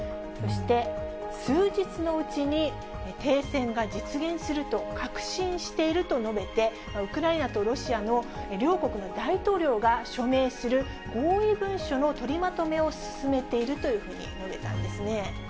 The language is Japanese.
そして数日のうちに、停戦が実現すると確信していると述べて、ウクライナとロシアの両国の大統領が署名する合意文書の取りまとめを進めているというふうに述べたんですね。